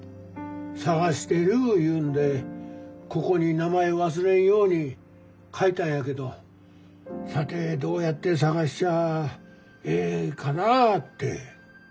探してるいうんでここに名前忘れんように書いたんやけどさてどうやって探しちゃええんかなあって。